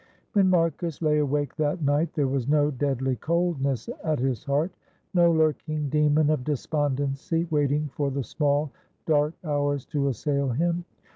When Marcus lay awake that night there was no deadly coldness at his heart, no lurking demon of despondency, waiting for the small dark hours to assail him.